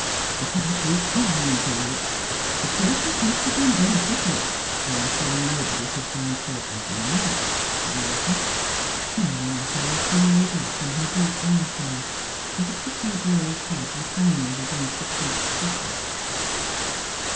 ' If I did presume to lecture the process must have been beneficial, for I'm sure nobody could find fault with you now,' said Morton, smiling at her as she lay back in her deep arm chair, with the pretty boyish head reclining against the chintz cushion.